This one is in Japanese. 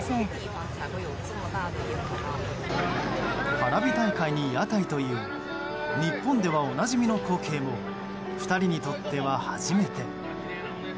花火大会に屋台という日本ではおなじみの光景も２人にとっては初めて。